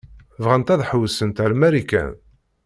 Bɣant ad hewwsent ar Marikan.